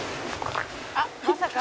「あっまさか？」